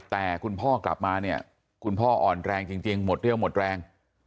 แต่คุณพ่อกลับมาเนี่ยคุณพ่ออ่อนแรงจริงหมดเรี่ยวหมดแรง